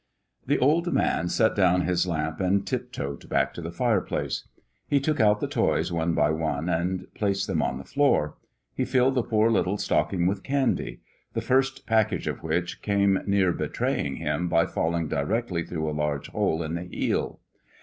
The old man set down his lamp and tiptoed back to the fireplace. He took out the toys one by one, and placed them on the floor. He filled the poor little stocking with candy; the first package of which came near betraying him by falling directly through a large hole in the heel.